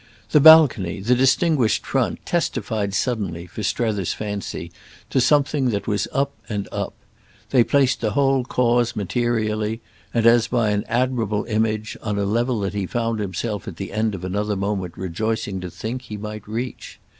The balcony, the distinguished front, testified suddenly, for Strether's fancy, to something that was up and up; they placed the whole case materially, and as by an admirable image, on a level that he found himself at the end of another moment rejoicing to think he might reach.